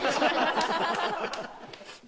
「ハハハハ！」